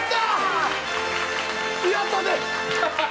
やったで！